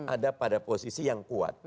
ada pada posisi yang kuat